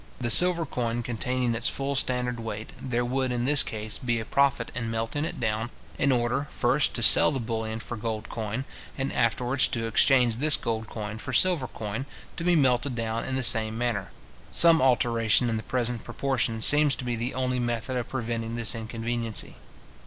The silver coin containing its full standard weight, there would in this case, be a profit in melting it down, in order, first to sell the bullion for gold coin, and afterwards to exchange this gold coin for silver coin, to be melted down in the same manner. Some alteration in the present proportion seems to be the only method of preventing this inconveniency.